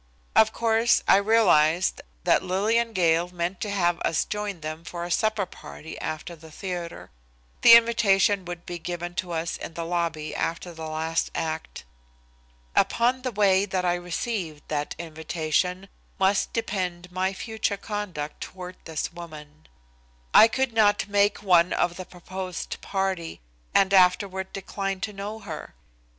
Of course, I realized that Lillian Gale meant to have us join them for a supper party after the theatre. The invitation would be given to us in the lobby after the last act. Upon the way that I received that invitation must depend my future conduct toward this woman. I could not make one of the proposed party and afterward decline to know her.